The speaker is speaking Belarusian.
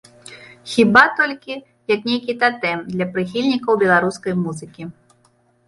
Хіба толькі, як нейкі татэм для прыхільнікаў беларускай музыкі.